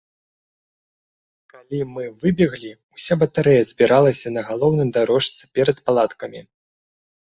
Калі мы выбеглі, уся батарэя збіралася на галоўнай дарожцы перад палаткамі.